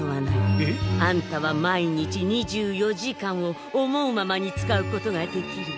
えっ？あんたは毎日２４時間を思うままに使うことができる。